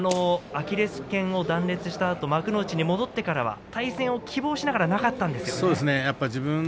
アキレスけんを断裂したあと対戦を希望しながらなかったんですよね。